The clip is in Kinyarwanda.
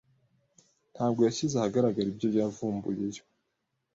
Ntabwo yashyize ahagaragara ibyo yavumbuyeyo.